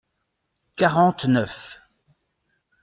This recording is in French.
Quarante-neuf.